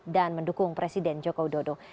dan mendukung presiden joko dodo